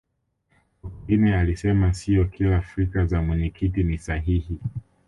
sokoine alisema siyo kila fikra za mwenyekiti ni sahihi